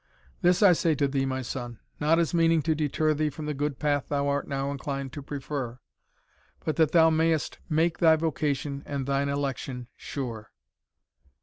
This I say to thee, my son, not as meaning to deter thee from the good path thou art now inclined to prefer, but that thou mayst make thy vocation and thine election sure."